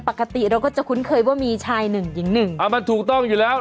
ปกติเราก็จะคุ้นเคยว่ามีชายหนึ่งหญิงหนึ่งอ่ามันถูกต้องอยู่แล้ว